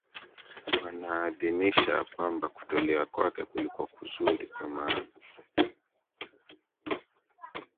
wanaadhimisha ya kwamba kutolewa kwake kulikuwa kuzuri kwa maana